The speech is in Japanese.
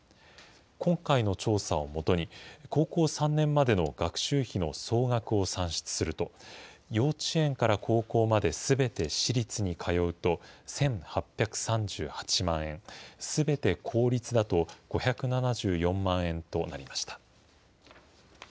今回の調査を基に高校３年までの学習費の総額を算出すると、幼稚園から高校まですべて私立に通うと、１８３８万円、すべて公立だと５７４万円となりました。